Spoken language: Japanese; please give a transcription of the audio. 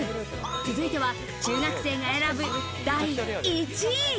続いては中学生が選ぶ第１位。